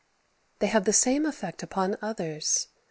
They have the same effect upon others.